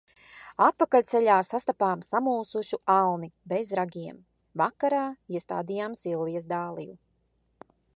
Atpakaļceļā sastapām samulsušu alni bez ragiem. Vakarā iestādījām Silvijas dāliju.